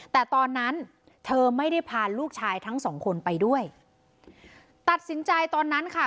แต่ตอนนั้นเธอไม่ได้พาลูกชายทั้งสองคนไปด้วยตัดสินใจตอนนั้นค่ะ